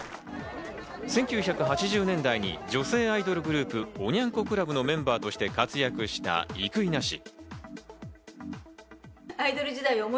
１９８０年代に女性アイドルグループ・おニャン子クラブのメンバーとして活躍した生稲氏。